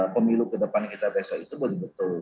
pemilu kedepannya kita besok itu boleh betul